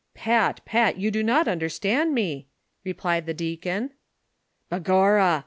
"Pat, Pat, you do not understand me," replied the deacon, " Begorrah